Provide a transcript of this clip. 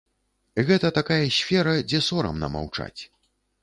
Гэта такая сфера, дзе сорамна маўчаць.